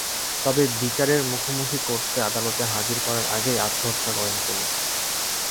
তবে বিচারের মুখোমুখি করতে আদালতে হাজির করার আগেই আত্মহত্যা করেন তিনি।